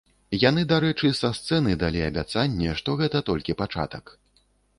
Яны, дарэчы, са сцэны далі абяцанне, што гэта толькі пачатак.